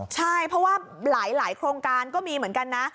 ใช่เพราะว่าหลายโครงการก็มีเหมือนกันนะ